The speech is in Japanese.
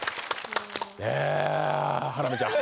ハラミちゃん！